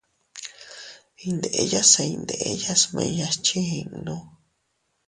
Iyndeya se iydenya smiñas chiinnu.